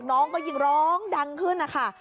น้องก็ยิ่งร้องดังขึ้นนะคะ